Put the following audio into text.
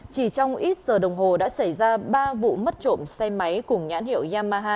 chỉ trong ít giờ đồng hồ đã xảy ra ba vụ mất trộm xe máy cùng nhãn hiệu yamaha